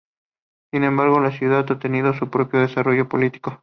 Sin embargo, la ciudad ha tenido su propio desarrollo político.